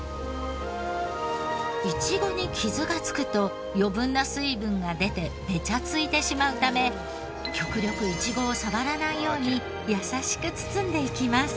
いちごに傷がつくと余分な水分が出てベチャついてしまうため極力いちごを触らないように優しく包んでいきます。